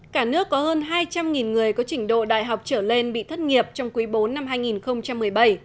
cả nước có hơn hai trăm linh người có trình độ đại học trở lên bị thất nghiệp trong quý bốn năm hai nghìn một mươi bảy